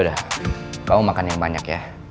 udah kamu makan yang banyak ya